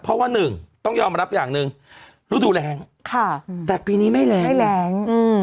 เพราะว่า๑ต้องยอมรับอย่างนึงฤดูแรงแต่ปีนี้ไม่แรง